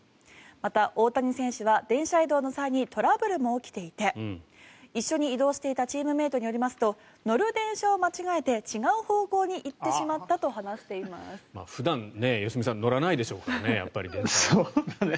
また、大谷選手は電車移動の際にトラブルも起きていて一緒に移動していたチームメートによりますと乗る電車を間違えて違う方向に行ってしまったと話しています。